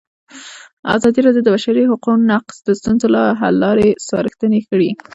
ازادي راډیو د د بشري حقونو نقض د ستونزو حل لارې سپارښتنې کړي.